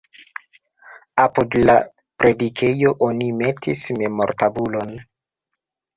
Apud la predikejo oni metis memortabulon.